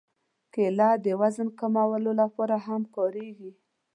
کېله د وزن کمولو لپاره هم کارېږي.